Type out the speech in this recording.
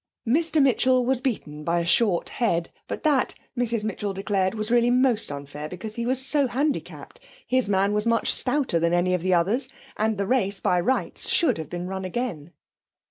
Mr Mitchell was beaten by a short head, but that, Mrs Mitchell declared, was really most unfair, because he was so handicapped his man was much stouter than any of the others and the race, by rights, should have been run again.